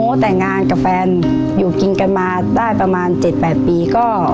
แต่งงานกับแฟนอยู่กินกันมาได้ประมาณ๗๘ปีก็